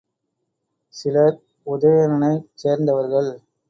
சிலர் உதயணனைச் சேர்ந்தவர்கள்.